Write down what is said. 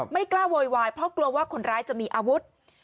ไม่กล้าโวยวายเพราะกลัวว่าคนร้ายจะมีอาวุธ